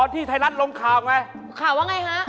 ที่ไทยรัฐลงข่าวไหมข่าวว่าอย่างไรคะ